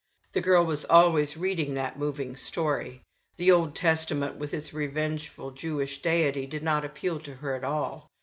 The girl was always reading that moving, touching story ; the Old Testament, with its revengeful, fero cious Deity, did not appeal to her at all.